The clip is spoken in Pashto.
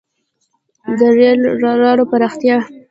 • د رېل لارو پراختیا.